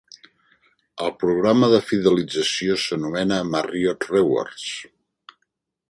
El programa de fidelització s'anomena Marriott Rewards.